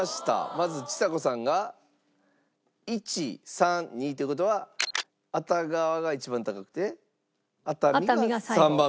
まずちさ子さんが１３２という事は熱川が一番高くて熱海が３番目。